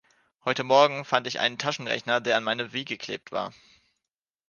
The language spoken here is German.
Heute Morgen fand ich einen Taschenrechner, der an meine Wii geklebt war.